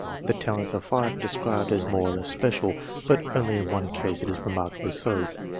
The talents of 5 are described as more or less special, but only in one case is it remarkably so.